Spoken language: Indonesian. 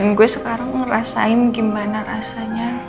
dan gue sekarang ngerasain gimana rasanya